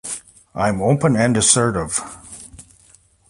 I'm open and assertive.